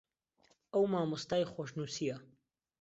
ئەو مامۆستای خۆشنووسییە